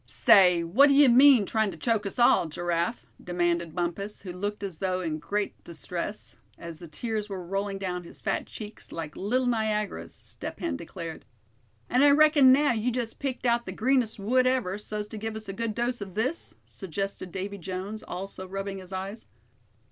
"Say, what d'ye mean, trying to choke us all, Giraffe?" demanded Bumpus, who looked as though in great distress, as the tears were rolling down his fat cheeks like "little Niagaras", Step Hen declared. "And I reckon, now, you just picked out the greenest wood ever, so's to give us a good dose of this?" suggested Davy Jones, also rubbing his eyes.